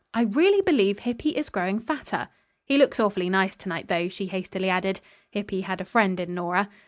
I really believe Hippy is growing fatter. He looks awfully nice to night, though," she hastily added. Hippy had a friend in Nora.